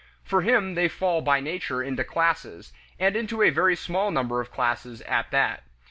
For him they fall by nature into classes, and into a very small number of classes at that.